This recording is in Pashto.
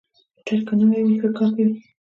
موټر که نوي وي، ښه کار کوي.